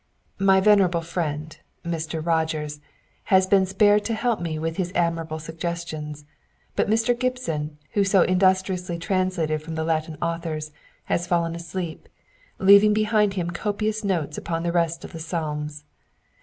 My venerable friend, Mr. Rogers, has been spared to help me with his admirable suggestions ; but Mr. Gibson, who so indus triously translated from the Latin authors, has fallen asleep, leaving behind him copious notes upon the rest of the psalms.